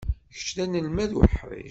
Kečč d anelmad uḥric.